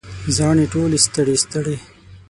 زاڼې ټولې ستړي، ستړي